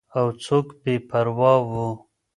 او څوک بې پروا وو.